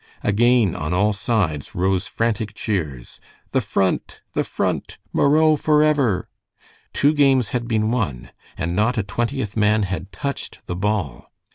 Again on all sides rose frantic cheers. "The Front! The Front! Murro forever!" Two games had been won, and not a Twentieth man had touched the ball.